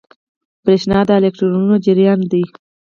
برېښنا د الکترونونو جریان دی.